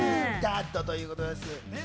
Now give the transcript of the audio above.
ｄａｄということです。